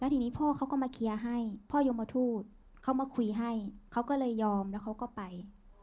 ทีนี้พ่อเขาก็มาเคลียร์ให้พ่อยมทูตเขามาคุยให้เขาก็เลยยอมแล้วเขาก็ไป